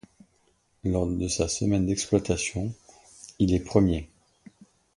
Lors de sa semaine d'exploitation, il est premier.